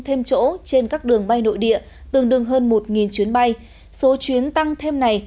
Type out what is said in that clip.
thêm chỗ trên các đường bay nội địa tương đương hơn một chuyến bay số chuyến tăng thêm này